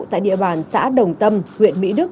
tại địa bàn xã đồng tâm huyện mỹ đức